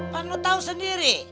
kan lo tahu sendiri